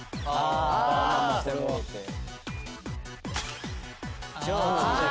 ああ！